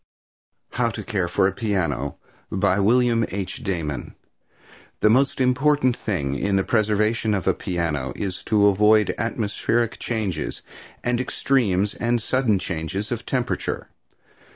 HOW TO CARE FOR A PIANO. By William H. Damon The most important thing in the preservation of a piano is to avoid atmospheric changes and extremes and sudden changes of temperature.